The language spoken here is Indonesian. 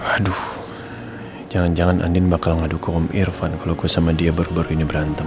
aduh jangan jangan andin bakal ngadu ke om irfan kalo gue sama dia baru baru ini berantem